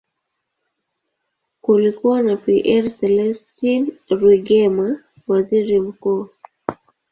Kulikuwa na Pierre Celestin Rwigema, waziri mkuu.